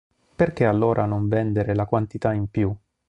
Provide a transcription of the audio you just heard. Perché allora non vendere la quantità in più?